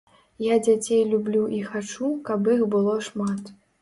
Я дзяцей люблю і хачу, каб іх было шмат.